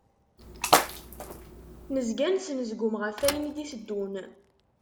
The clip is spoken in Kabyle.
Nezga nesnezgum ɣef wayen i d-iteddun.